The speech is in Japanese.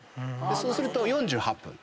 そうすると４８分。